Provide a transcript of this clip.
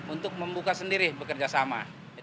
untuk membuka sendiri bekerjasama